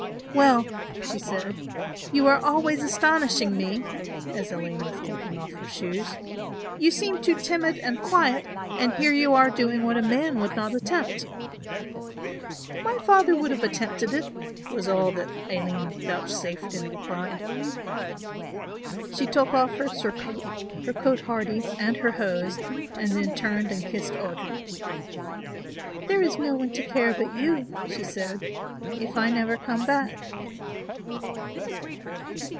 "Well," she said, "you are always astonishing me," as Aline was taking off her shoes; "you seem too timid and quiet, and here you are doing what a man would not attempt." "My father would have attempted it," was all that Aline vouchsafed in reply. She took off her surcoat, her coat hardie and her hose, and then turned and kissed Audry. "There is no one to care but you," she said, "if I never come back."